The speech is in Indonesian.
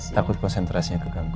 takut konsentrasinya keganggu